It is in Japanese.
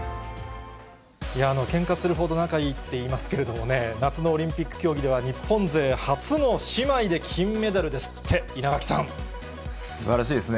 けんかするほど仲いいって言いますけれどもね、夏のオリンピック競技では、日本勢初の姉妹ですばらしいですね。